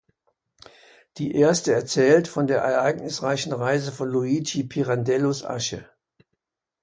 Die erste erzählt von der ereignisreichen Reise von Luigi Pirandellos Asche.